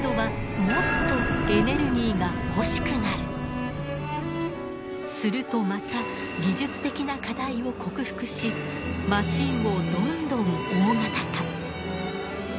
でもするとまた技術的な課題を克服しマシンをどんどん大型化。